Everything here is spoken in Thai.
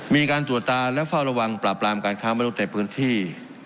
มีการตรวจตาและเฝ้าระวังปราบรามการค้ามนุษย์ในพื้นที่